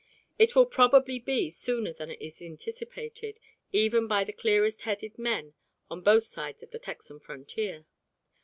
It will probably be sooner than is anticipated even by the clearest headed men on both sides of the Texan frontier.